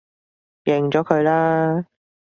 認咗佢啦